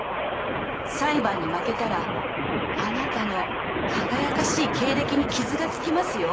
裁判に負けたらあなたの輝かしい経歴に傷がつきますよ。